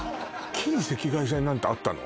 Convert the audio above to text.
近赤外線なんてあったの？